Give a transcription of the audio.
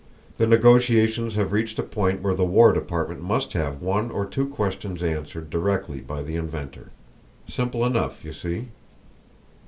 "The negotiations have reached a point where the War Department must have one or two questions answered directly by the inventor. Simple enough, you see."